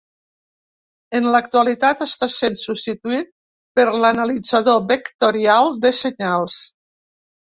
En l'actualitat està sent substituït per l'analitzador vectorial de senyals.